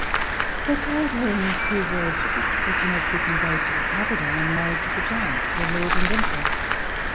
They told her in few words that she must be conveyed to the capital and married to the giant their lord and emperor.